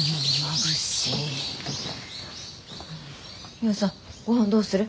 ミホさんごはんどうする？